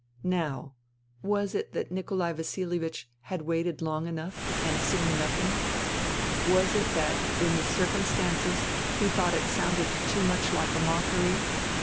Now, was it that Nikolai Vasilievich had waited long enough and seen nothing ? Was it that in the 166 FUTILITY circumstances he thought it sounded too much Hke a mockery